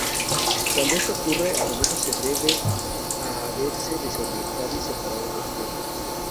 Cuando esto ocurre, a menudo se debe a haberse desorientado y separado del grupo.